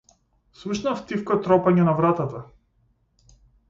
Слушнав тивко тропање на вратата.